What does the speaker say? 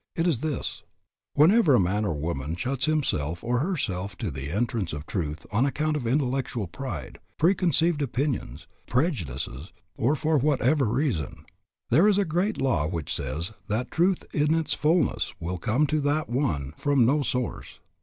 It is this: Whenever a man or a woman shuts himself or herself to the entrance of truth on account of intellectual pride, preconceived opinions, prejudices, or for whatever reason, there is a great law which says that truth in its fullness will come to that one from no source.